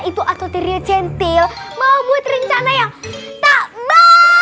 itu atau tiril centil mau buat rencana yang tak baik sikalu ustadzah